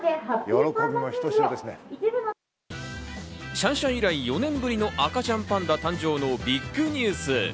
シャンシャン以来、４年ぶりの赤ちゃんパンダ誕生のビッグニュース。